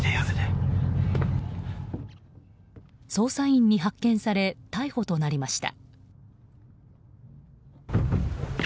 捜査員に発見され逮捕となりました。